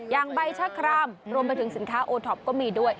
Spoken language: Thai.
อย่างใบชะครามรวมไปถึงสินค้าโอท็อปก็มีด้วย